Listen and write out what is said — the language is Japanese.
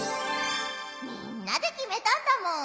みんなできめたんだもん。